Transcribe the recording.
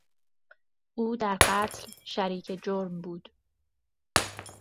او در قتل شریک جرم بود.